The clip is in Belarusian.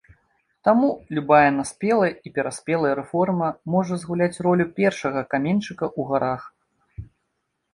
Таму любая наспелая і пераспелая рэформа можа згуляць ролю першага каменьчыка ў гарах.